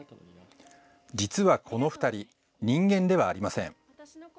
実はこの２人人間ではありません。